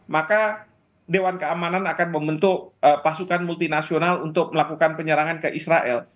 maka dewan keamanan akan membentuk pasukan multinasional untuk melakukan penyerangan ke israel